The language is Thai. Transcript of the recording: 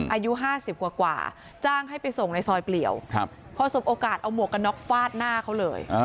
อายุ๕๐กว่าจ้างให้ไปส่งในซอยเปลี่ยวพอสบโอกาสเอาหมวกกันน็อกฟาดหน้าเขาเลย